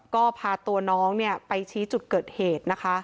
ก็พาตัวน้องไปชี้จุดเกิดเหตุนะคะ